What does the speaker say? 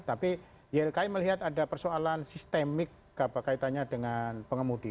tapi ylki melihat ada persoalan sistemik kaitannya dengan pengemudi